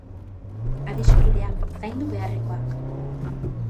Adiskideak, zaindu beharrekoak.